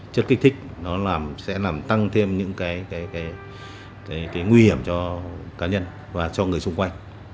chất kích thích nó làm sẽ làm tăng thêm những cái nguy hiểm cho cá nhân và cho người xung quanh